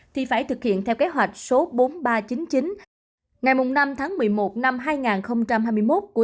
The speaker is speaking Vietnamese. thì phải thực hiện theo kế hoạch số bốn nghìn ba trăm chín mươi chín ngày năm tháng một mươi một năm hai nghìn hai mươi một của